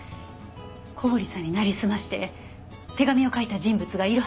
小堀さんになりすまして手紙を書いた人物がいるはずです。